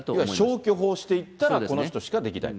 消去法していったら、この人しかできない。